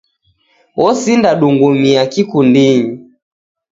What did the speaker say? Osinda dungumia kikundinyi